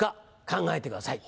考えてください。